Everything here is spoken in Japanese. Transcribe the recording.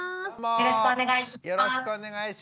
よろしくお願いします。